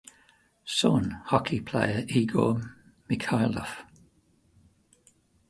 Son - hockey player Egor Mikhailov.